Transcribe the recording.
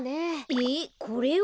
えっこれを？